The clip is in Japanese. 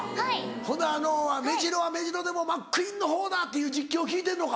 ほなあの「メジロはメジロでもマックイーンのほうだ」っていう実況聞いてんのか？